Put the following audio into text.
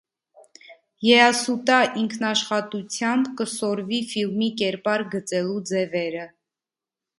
Եասուտա ինքնաշխատութեամբ կը սորվի ֆիլմի կերպար գծելու ձեւերը։